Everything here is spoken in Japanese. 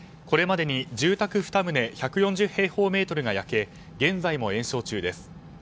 これまでに住宅２棟１４０平方メートルが焼け現在も延焼中です。